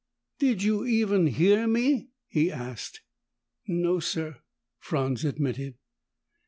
"Did you even hear me?" he asked. "No, sir," Franz admitted.